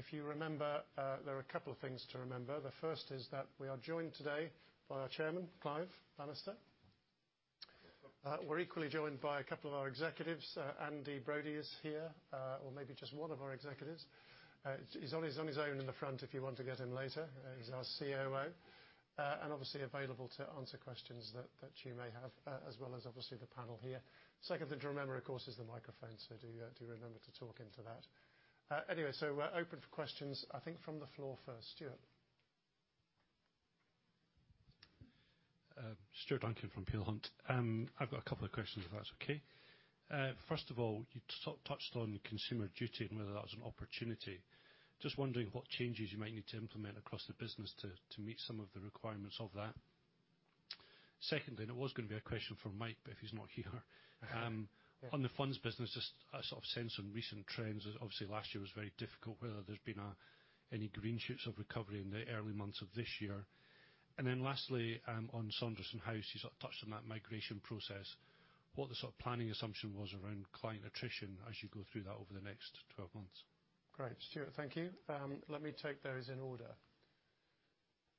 If you remember, there are a couple of things to remember. The first is that we are joined today by our Chairman, Clive Bannister. We're equally joined by a couple of our executives. Andy Brodie is here, or maybe just one of our executives. He's on his own in the front if you want to get him later. He's our COO. Obviously available to answer questions that you may have, as well as obviously the panel here. Second thing to remember, of course, is the microphone, so do remember to talk into that. We're open for questions, I think from the floor first. Stuart? Stuart Duncan from Peel Hunt. I've got a couple of questions if that's okay. First of all, you touched on Consumer Duty and whether that was an opportunity. Just wondering what changes you might need to implement across the business to meet some of the requirements of that. Secondly, it was gonna be a question for Mike, but if he's not here. Yeah. On the funds business, just a sort of sense on recent trends, as obviously last year was very difficult, whether there's been any green shoots of recovery in the early months of this year. Lastly, on Saunderson House, you sort of touched on that migration process, what the sort of planning assumption was around client attrition as you go through that over the next 12 months. Great, Stuart, thank you. Let me take those in order.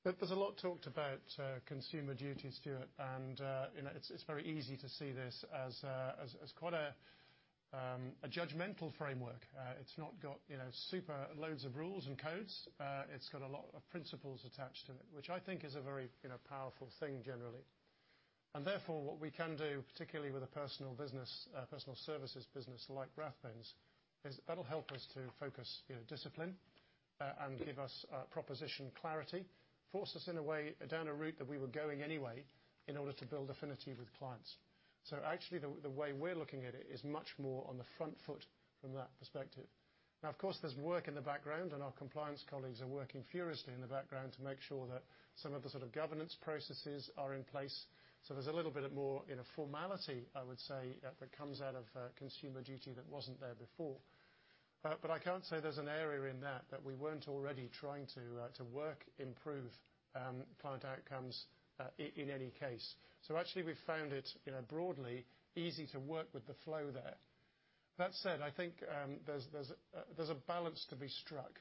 Look, there's a lot talked about Consumer Duty, Stuart, and, you know, it's very easy to see this as quite a judgmental framework. It's not got, you know, super loads of rules and codes. It's got a lot of principles attached to it, which I think is a very, you know, powerful thing generally. Therefore, what we can do, particularly with a personal business, personal services business like Rathbones, is that'll help us to focus, you know, discipline, and give us proposition clarity. Force us in a way down a route that we were going anyway in order to build affinity with clients. Actually, the way we're looking at it is much more on the front foot from that perspective. Of course, there's work in the background, and our compliance colleagues are working furiously in the background to make sure that some of the sort of governance processes are in place. There's a little bit of more in a formality, I would say, that comes out of Consumer Duty that wasn't there before. I can't say there's an area in that that we weren't already trying to work, improve, client outcomes in any case. Actually we've found it, you know, broadly easy to work with the flow there. That said, I think, there's, there's a balance to be struck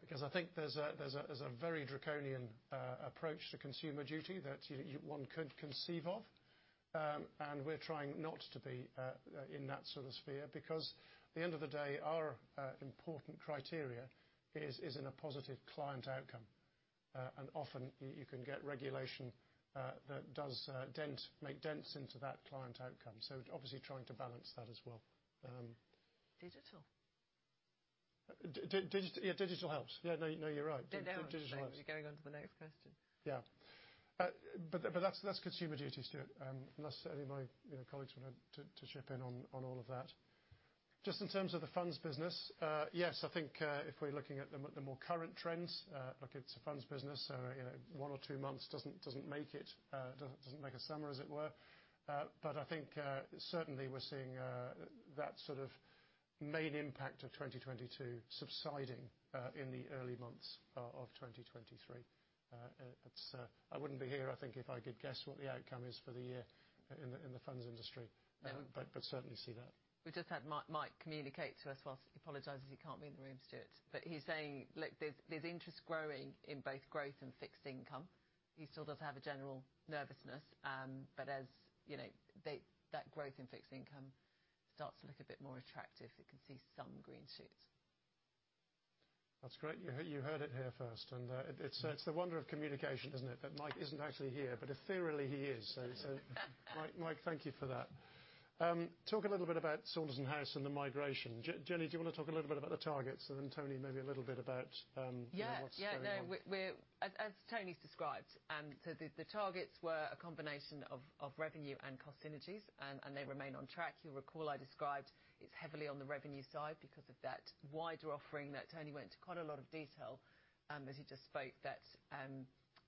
because I think there's a, there's a, there's a very draconian approach to Consumer Duty that one could conceive of. We're trying not to be in that sort of sphere because at the end of the day, our important criteria is in a positive client outcome. Often you can get regulation that does dent, make dents into that client outcome. Obviously trying to balance that as well. Digital. Yeah, digital helps. Yeah, no, you're right. Don't over explain. Digital helps. We're going on to the next question. Yeah. That's, that's Consumer Duty, Stuart. Unless any of my, you know, colleagues wanted to chip in on all of that. Just in terms of the funds business, yes, I think, if we're looking at the more current trends, look, it's a funds business. You know, one or two months doesn't make it, doesn't make a summer as it were. I think, certainly we're seeing, that sort of main impact of 2022 subsiding, in the early months of 2023. It's, I wouldn't be here, I think if I could guess what the outcome is for the year in the, in the funds industry. No. Certainly see that. We just had Mike communicate to us whilst he apologizes he can't be in the room, Stuart. He's saying, look, there's interest growing in both growth and fixed income. He still does have a general nervousness, but as, you know, that growth in fixed income starts to look a bit more attractive. He can see some green shoots. That's great. You heard it here first, and it's the wonder of communication, isn't it? That Mike isn't actually here, but ethereally he is. Mike, thank you for that. Talk a little bit about Saunderson House and the migration. Jenny, do you wanna talk a little bit about the targets, then Tony, maybe a little bit about, you know, what's going on? Yeah, yeah, no. As Tony's described, the targets were a combination of revenue and cost synergies and they remain on track. You'll recall I described it's heavily on the revenue side because of that wider offering that Tony went into quite a lot of detail as he just spoke, that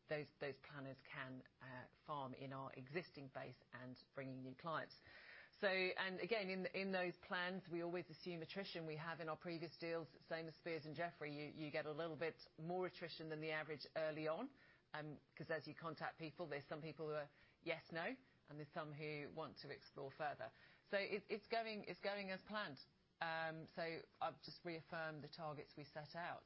those planners can farm in our existing base and bringing new clients. Again, in those plans, we always assume attrition. We have in our previous deals, same as Speirs & Jeffrey, you get a little bit more attrition than the average early on, 'cause as you contact people, there's some people who are yes, no, and there's some who want to explore further. It's going as planned. I'll just reaffirm the targets we set out.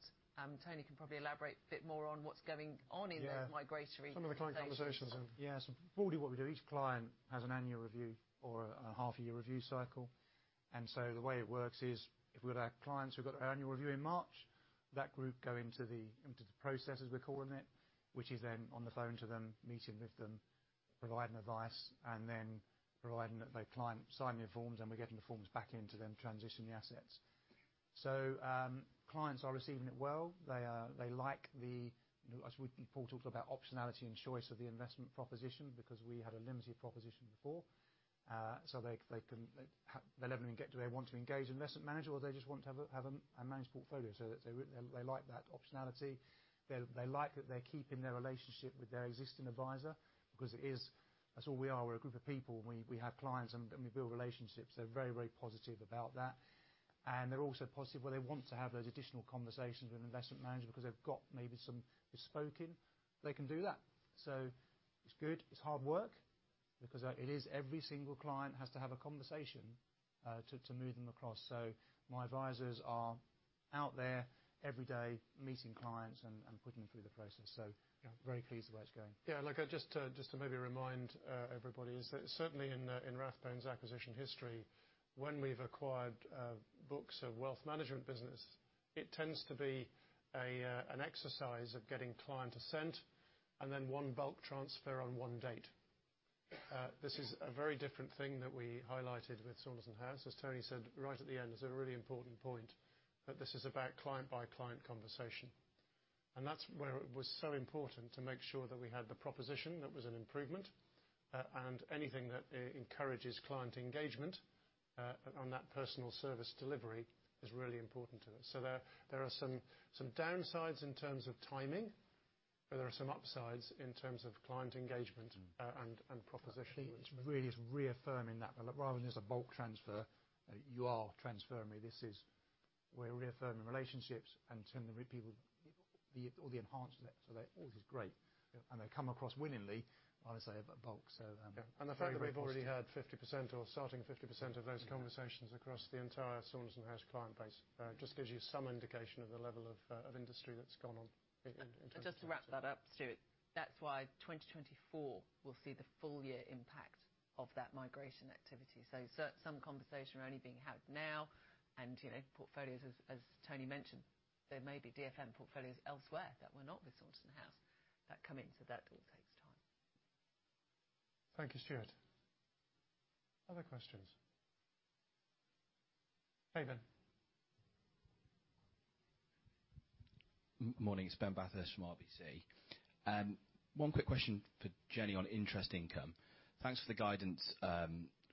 Tony can probably elaborate a bit more on what's going on in those. Yeah.... migratory conversations. Some of the client conversations and. Broadly what we do, each client has an annual review or a half a year review cycle. The way it works is if we've got our clients who've got our annual review in March, that group go into the process, as we're calling it, which is then on the phone to them, meeting with them, providing advice, and then providing that the client signing forms, and we're getting the forms back into them, transition the assets. Clients are receiving it well. They like the, as Paul talked about optionality and choice of the investment proposition because we had a limited proposition before. They're leveling a get do they want to engage investment manager or they just want to have a managed portfolio. They like that optionality. They like that they're keeping their relationship with their existing advisor because it is. That's all we are. We're a group of people. We have clients, and we build relationships. They're very positive about that. They're also positive where they want to have those additional conversations with an investment manager because they've got maybe some bespoke, they can do that. It's good, it's hard work because it is every single client has to have a conversation to move them across. My advisors are out there every day meeting clients and putting them through the process. Yeah, very pleased the way it's going. Like I just to maybe remind everybody is that certainly in Rathbones' acquisition history, when we've acquired books of wealth management business, it tends to be an exercise of getting client assent and then one bulk transfer on one date. This is a very different thing that we highlighted with Saunderson House. As Tony said, right at the end is a really important point, that this is about client-by-client conversation. That's where it was so important to make sure that we had the proposition that was an improvement, and anything that encourages client engagement on that personal service delivery is really important to us. There, there are some downsides in terms of timing, but there are some upsides in terms of client engagement, and proposition. It really is reaffirming that rather than just a bulk transfer, you are transferring me, this is we're reaffirming relationships and telling the people the, all the enhancements. They all is great, and they come across winningly, honestly, but bulk. Yeah. The fact that we've already had 50% or starting 50% of those conversations across the entire Saunderson House client base, just gives you some indication of the level of industry that's gone on. Just to wrap that up, Stuart, that's why 2024 will see the full year impact of that migration activity. Some conversation are only being had now. You know, portfolios, as Tony mentioned, there may be DFM portfolios elsewhere that were not with Saunderson House that come in, so that all takes time. Thank you, Stuart. Other questions? Hey, Ben. Morning. It's Ben Bathurst from RBC. One quick question for Jenny on interest income. Thanks for the guidance,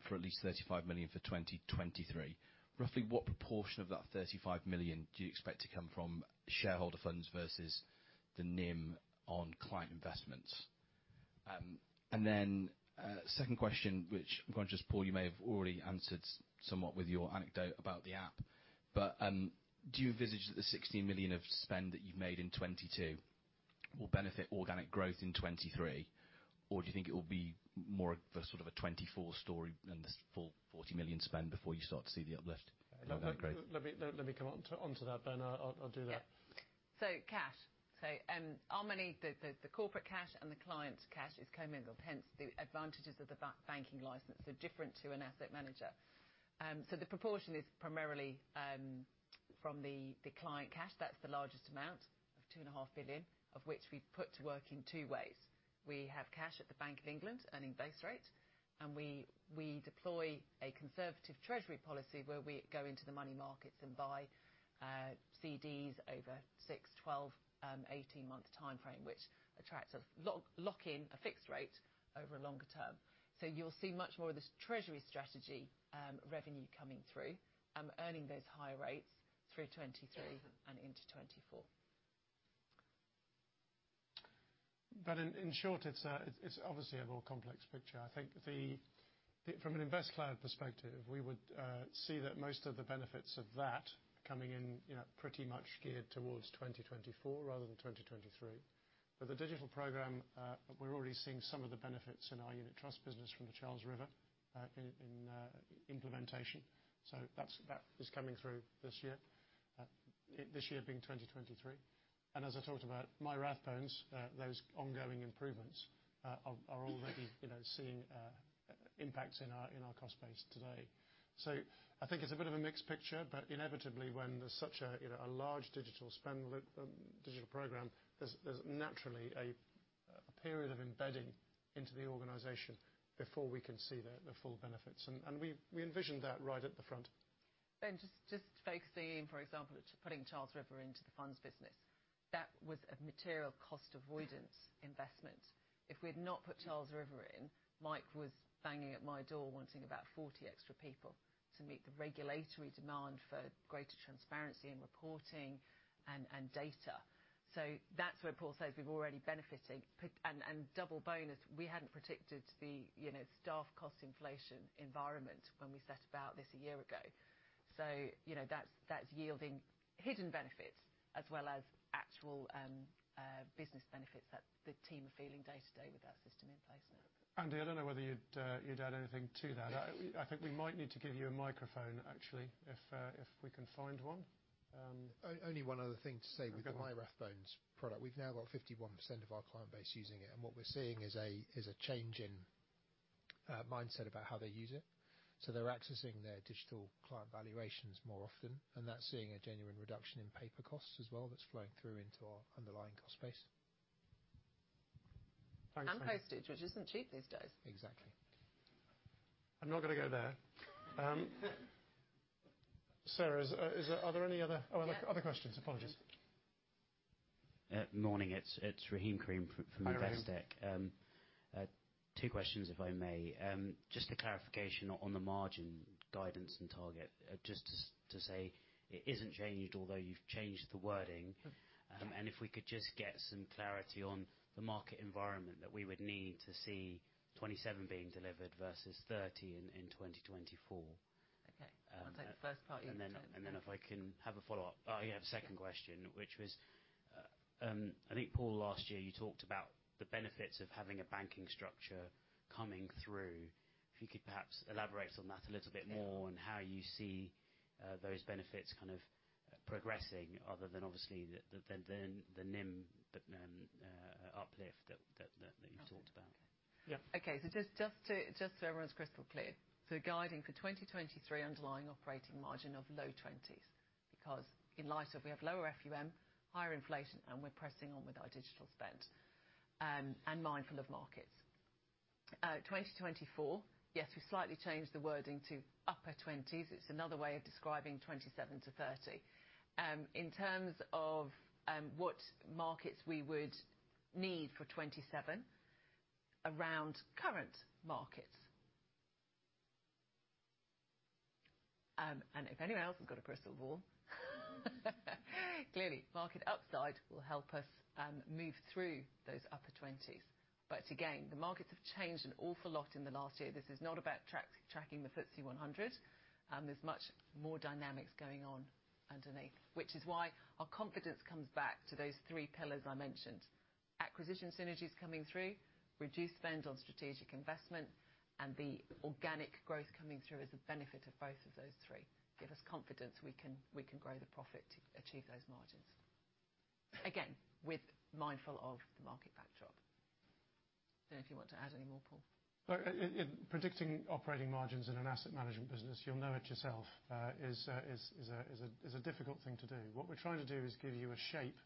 for at least 35 million for 2023. Roughly what proportion of that 35 million do you expect to come from shareholder funds versus the NIM on client investments? Second question, which I'm conscious, Paul, you may have already answered somewhat with your anecdote about the app, but, do you envisage that the 16 million of spend that you've made in 2022 will benefit organic growth in 2023? Do you think it will be more of a, sort of a 2024 story than the full 40 million spend before you start to see the uplift? Let me come onto that, Ben. I'll do that. Cash. Our money, the corporate cash and the client cash is commingled, hence the advantages of the banking license are different to an asset manager. The proportion is primarily from the client cash. That's the largest amount of 2.5 billion, of which we put to work in two ways. We have cash at the Bank of England earning base rate, and we deploy a conservative treasury policy where we go into the money markets and buy CDs over six, 12, 18-month timeframe, which attracts a lock in a fixed rate over a longer term. You'll see much more of this treasury strategy revenue coming through, earning those high rates through 2023 and into 2024. In short, it's obviously a more complex picture. I think the, from an InvestCloud perspective, we would see that most of the benefits of that coming in, you know, pretty much geared towards 2024 rather than 2023. The digital program, we're already seeing some of the benefits in our unit trust business from the Charles River in implementation. That is coming through this year. This year being 2023. As I talked about MyRathbones, those ongoing improvements are already, you know, seeing impacts in our cost base today. I think it's a bit of a mixed picture, but inevitably when there's such a, you know, a large digital spend, digital program, there's naturally a period of embedding into the organization before we can see the full benefits. We envisioned that right at the front. Ben, just focusing, for example, putting Charles River into the funds business, that was a material cost avoidance investment. If we had not put Charles River in, Mike was banging at my door wanting about 40 extra people to meet the regulatory demand for greater transparency in reporting and data. That's where Paul says we're already benefiting. And double bonus, we hadn't predicted the, you know, staff cost inflation environment when we set about this a year ago. You know, that's yielding hidden benefits as well as actual business benefits that the team are feeling day to day with that system in place now. Andy, I don't know whether you'd add anything to that. I think we might need to give you a microphone actually if we can find one. Only one other thing to say with the MyRathbones product. We've now got 51% of our client base using it. What we're seeing is a change in mindset about how they use it. They're accessing their digital client valuations more often, and that's seeing a genuine reduction in paper costs as well that's flowing through into our underlying cost base. Postage, which isn't cheap these days. Exactly. I'm not gonna go there. So, is there... Are there any other-... Yeah. Oh, other questions. Apologies. Morning. It's Rahim Karim from Investec. Hi, Rahim. Two questions if I may. Just a clarification on the margin guidance and target. Just to say it isn't changed, although you've changed the wording. Mm-hmm. If we could just get some clarity on the market environment that we would need to see 27 being delivered versus 30 in 2024. Okay. I'll take the first part. You take the second. Then if I can have a follow-up? Sure. Oh, yeah, the second question, which was, I think Paul, last year you talked about the benefits of having a banking structure coming through. If you could perhaps elaborate on that a little bit more- Yeah. ...and how you see, those benefits kind of progressing, other than obviously the NIM uplift that you talked about. Yeah. Okay. Just, just to, just so everyone's crystal clear. Guiding for 2023 underlying operating margin of low twenties because in light of we have lower FUM, higher inflation, and we're pressing on with our digital spend, and mindful of markets. 2024, yes, we slightly changed the wording to upper twenties. It's another way of describing 27%-30%. In terms of what markets we would need for 27%, around current markets. If anyone else has got a crystal ball. Clearly, market upside will help us move through those upper twenties. Again, the markets have changed an awful lot in the last year. This is not about track-tracking the FTSE 100. There's much more dynamics going on underneath. Which is why our confidence comes back to those three pillars I mentioned. Acquisition synergies coming through, reduced spend on strategic investment, and the organic growth coming through is the benefit of both of those three, give us confidence we can grow the profit to achieve those margins. Again, with mindful of the market backdrop. Don't know if you want to add any more, Paul? In predicting operating margins in an asset management business, you'll know it yourself, is a difficult thing to do. What we're trying to do is give you a shape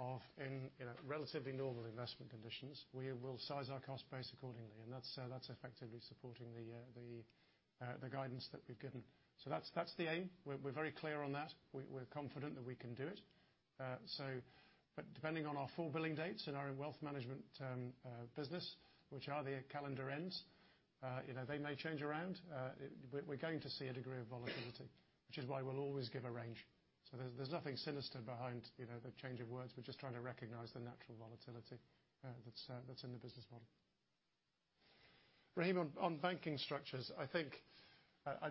of in a relatively normal investment conditions, we will size our cost base accordingly, and that's effectively supporting the guidance that we've given. That's the aim. We're very clear on that. We're confident that we can do it. But depending on our full billing dates in our wealth management business, which are the calendar ends, you know, they may change around. We're going to see a degree of volatility, which is why we'll always give a range. There's nothing sinister behind, you know, the change of words. We're just trying to recognize the natural volatility that's in the business model. Rahim, on banking structures, I think,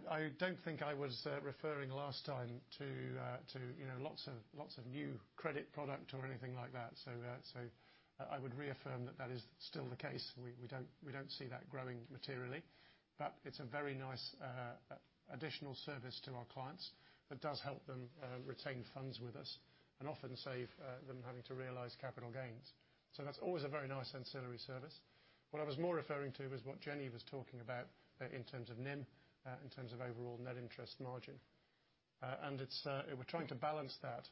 I don't think I was referring last time to, you know, lots of new credit product or anything like that. I would reaffirm that that is still the case. We don't see that growing materially. It's a very nice additional service to our clients that does help them retain funds with us and often save them having to realize capital gains. That's always a very nice ancillary service. What I was more referring to was what Jenny was talking about in terms of NIM, in terms of overall net interest margin. It's... We're trying to balance that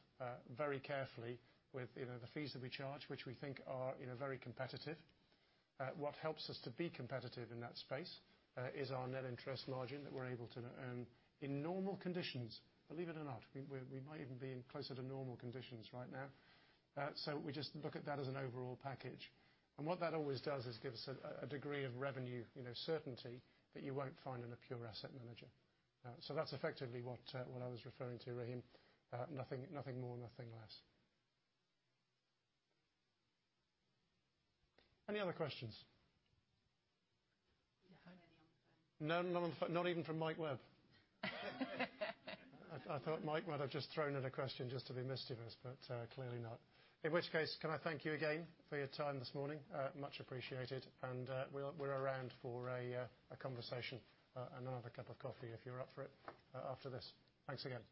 very carefully with, you know, the fees that we charge, which we think are, you know, very competitive. What helps us to be competitive in that space is our net interest margin that we're able to earn. In normal conditions, believe it or not, we might even be closer to normal conditions right now. So we just look at that as an overall package. What that always does is give us a degree of revenue, you know, certainty that you won't find in a pure asset manager. So that's effectively what I was referring to, Rahim. Nothing, nothing more, nothing less. Any other questions? Yeah. Any on the phone? No, none on the... Not even from Mike Webb. I thought Mike might have just thrown in a question just to be mischievous, but, clearly not. In which case, can I thank you again for your time this morning. Much appreciated. We're around for a conversation, and another cup of coffee if you're up for it after this. Thanks again.